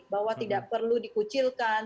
bahwa tidak perlu dikucilkan